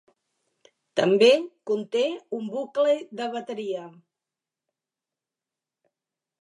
També conté un bucle de bateria.